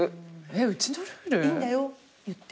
えっうちのルール？いいんだよ言って。